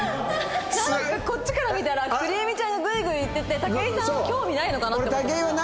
なんかこっちから見たらくりえみちゃんがグイグイいってて武井さんは興味ないのかなって思ってました。